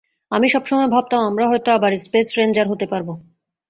আমি সবসময় ভাবতাম, আমরা হয়তো আবার স্পেস রেঞ্জার হতে পারব।